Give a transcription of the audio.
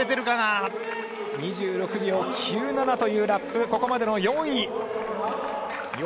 ２６秒９７というラップはここまでの４位。